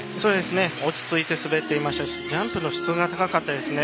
落ち着いて滑っていましたしジャンプの質が高かったですね。